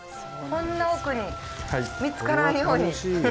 こんな奥に、見つからんように。